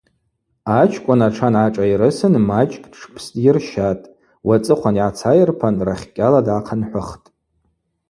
Ачкӏвын атшан гӏашӏайрысын мачӏкӏ тшпсдйырщатӏ, уацӏыхъван йгӏацайырпан рахькӏьала дгӏахъынхӏвыхтӏ.